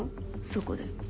そこで。